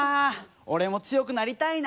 俺も強くなりたいな。